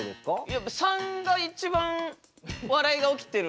やっぱ３が一番笑いが起きてる。